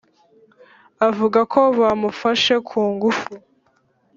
Avuga ko bamufashe ku ngufu